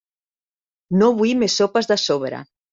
No vull més sopes de sobre.